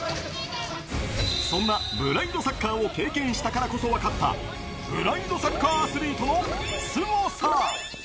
そんなブラインドサッカーを経験したからこそ分かったブラインドサッカーアスリートのスゴさ。